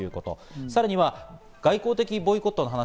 さらには外交的ボイコットな話。